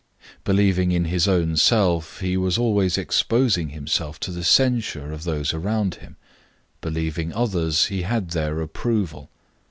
Believing in his own self he was always exposing himself to the censure of those around him; believing others he had their approval.